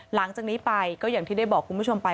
หลังจากนี้ไปก็อย่างที่ได้บอกคุณผู้ชมไป